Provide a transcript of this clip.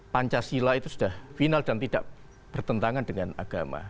pancasila itu sudah final dan tidak bertentangan dengan agama